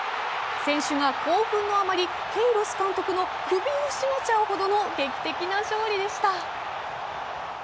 選手が興奮のあまりケイロス監督の首を絞めちゃうほどの劇的な勝利でした。